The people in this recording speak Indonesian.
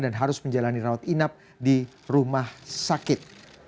dan harus menjalani rawat inap di rumah sakit